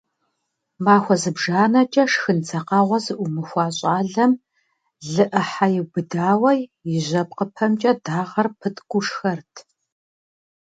Махуэ зыбжанэкӀэ шхын дзакъэгъуэ зыӏумыхуа щӏалэм лы Ӏыхьэ иубыдауэ и жьэпкъыпэмкӀэ дагъэр пыткӀуу шхэрт.